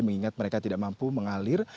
mengingat mereka tidak mampu mengalir